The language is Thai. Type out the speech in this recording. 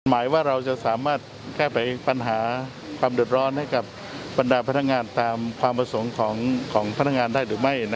หมายว่าเราจะสามารถแก้ไขปัญหาความเดือดร้อนให้กับบรรดาพนักงานตามความประสงค์ของพนักงานได้หรือไม่